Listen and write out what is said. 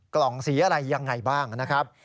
กล่องสีอะไรยังไงบ้างนะครับ